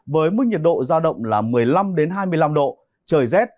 với mức nhiệt độ ra động là một mươi năm hai mươi năm độ trời z